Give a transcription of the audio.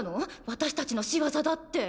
私たちの仕業だって。